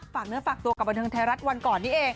ฝากเนื้อฝากตัวกับบันเทิงไทยรัฐวันก่อนนี้เอง